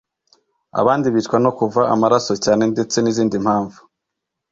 Abandi bicwa no kuva amaraso cyane ndetse n'izindi mpamvu.